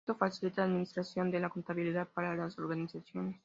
Esto facilita la administración de la contabilidad para las organizaciones.